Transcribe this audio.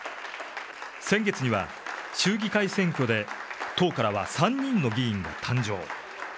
先月には、州議会選挙で党からは３人の議員が誕生。